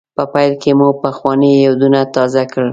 په پیل کې مو پخواني یادونه تازه کړل.